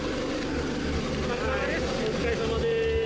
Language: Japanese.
お疲れさまです。